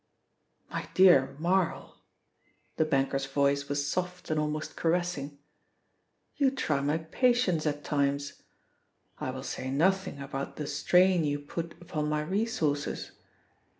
"My dear Marl," the banker's voice was soft and almost caressing, "you try my patience at times. I will say nothing about the strain you put upon my resources."